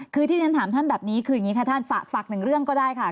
คือที่ฉันถามท่านแบบนี้คืออย่างนี้ค่ะท่านฝากหนึ่งเรื่องก็ได้ค่ะ